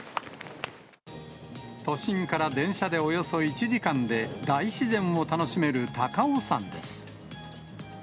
都心から電車でおよそ１時間で、大自然を楽しめる高尾山です。